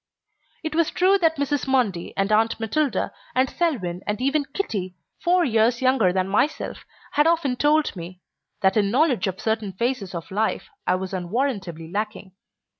It was true what Mrs. Mundy and Aunt Matilda and Selwyn and even Kitty, four years younger than myself, had often told me, that in knowledge of certain phases of life I was unwarrantably lacking.